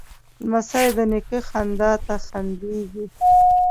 لمسی د نیکه خندا ته خندېږي.